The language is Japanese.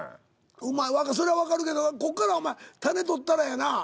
それはわかるけどこっから種取ったらやな